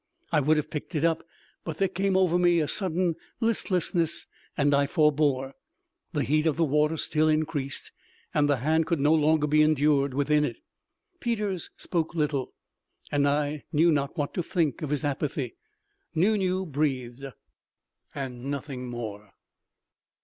I would have picked it up, but there came over me a sudden listlessness, and I forbore. The heat of the water still increased, and the hand could no longer be endured within it. Peters spoke little, and I knew not what to think of his apathy. Nu Nu breathed, and no more.